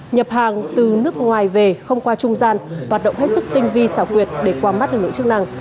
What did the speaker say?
nhập hàng từ nước ngoài về không qua trung gian hoạt động hết sức tinh vi xảo quyệt để quang bắt được nội chức năng